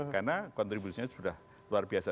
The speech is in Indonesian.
karena kontribusinya sudah luar biasa